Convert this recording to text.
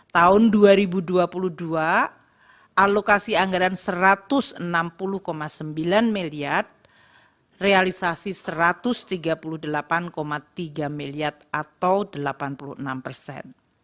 tahun dua ribu dua puluh dua alokasi anggaran rp satu ratus enam puluh sembilan miliar realisasi satu ratus tiga puluh delapan tiga miliar atau delapan puluh enam persen